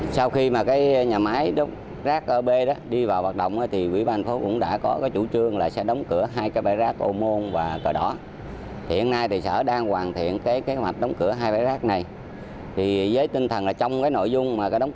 sau khi nhà máy đốt rác ở b đi vào hoạt động quỹ ban phố cũng đã có chủ trương sẽ đóng cửa hai cái bãi rác ô môn và cờ đỏ